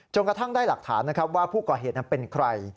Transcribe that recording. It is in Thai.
กระทั่งได้หลักฐานนะครับว่าผู้ก่อเหตุนั้นเป็นใคร